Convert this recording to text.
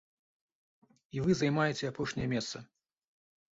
І вы займаеце апошняе месца.